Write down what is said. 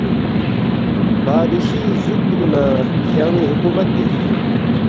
بادشی جُوکتُو نہ کھیان٘ی حکومت بیوس